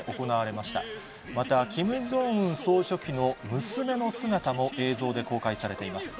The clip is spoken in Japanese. また、キム・ジョンウン総書記の娘の姿も映像で公開されています。